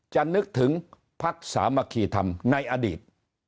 นึกถึงพักสามัคคีธรรมในอดีต